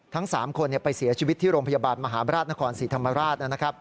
ทั้ง๓คนไปเสียชีวิตที่โรงพยาบาลมหาบราชนครศรีธรรมราช